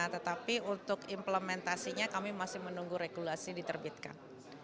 tetapi untuk implementasinya kami masih menunggu regulasi diterbitkan